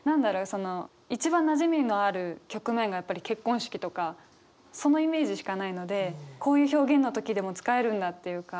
その一番なじみのある局面がやっぱり結婚式とかそのイメージしかないのでこういう表現の時でも使えるんだっていうか。